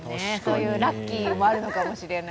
ラッキーもあるのかもしれない。